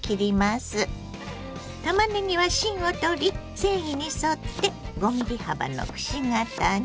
たまねぎは芯を取り繊維に沿って５ｍｍ幅のくし形に。